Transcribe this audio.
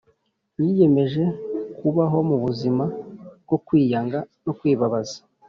yiyemeje kubaho mu buzima bwo kwiyanga no kwibabaza.